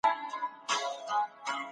هغوی د خپل ځان په پاک ساتلو بوخت دي.